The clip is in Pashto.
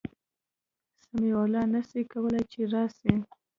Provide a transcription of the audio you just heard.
سمیع الله نسي کولای چي راسي